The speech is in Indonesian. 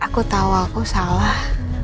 aku tahu aku salah